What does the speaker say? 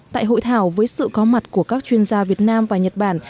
tại hội thảo với sự có mặt của các chuyên gia việt nam và nhật bản